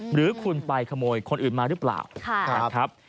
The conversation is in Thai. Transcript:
หรือคุณไปขโมยคนอื่นมาหรือเปล่านะครับ